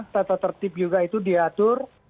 tata tertib juga itu diatur